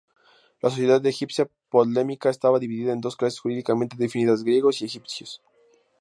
La sociedad egipcia ptolemaica estaba dividida en dos clases jurídicamente definidas: griegos y egipcios.